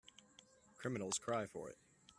Criminals cry for it.